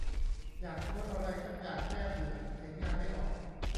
อยากโค้ดอะไรซักอย่างแก้เบื่อ เขียนงานไม่ออก